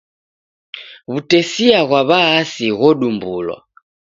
W'utesia ghwa w'aasi ghodumbulwa.